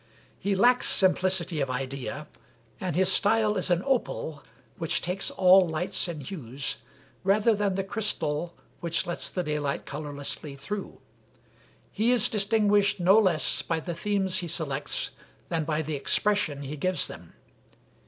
He lacks simplicity of idea, and his style is an opal which takes all lights and hues, rather than the crystal which lets the daylight colorlessly through. He is distinguished no less by the themes he selects than by the expression he gives them.